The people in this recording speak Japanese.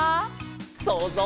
そうぞう。